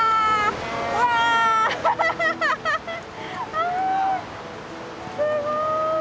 あすごい。